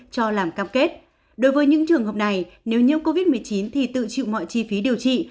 cho làm cam kết đối với những trường hợp này nếu nhiễm covid một mươi chín thì tự chịu mọi chi phí điều trị